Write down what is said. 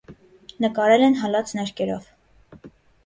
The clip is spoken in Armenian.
Նկարել են հալած ներկերով։